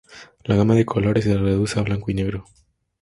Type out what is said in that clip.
La gama de colores se reduce a blanco y negro.